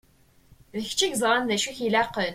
D kečč i yeẓṛan d acu i k-ilaqen.